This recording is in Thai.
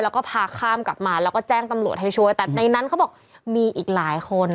แล้วก็พาข้ามกลับมาแล้วก็แจ้งตำรวจให้ช่วยแต่ในนั้นเขาบอกมีอีกหลายคน